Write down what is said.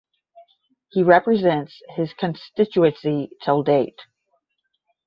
He represents his Constituency till date.